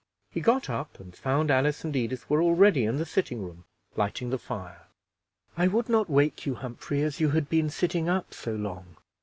He got up, and found Alice and Edith were already in the sitting room, lighting the fire. "I would not wake you, Humphrey, as you had been sitting up so long.